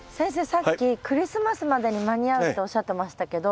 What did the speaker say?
さっきクリスマスまでに間に合うっておっしゃってましたけど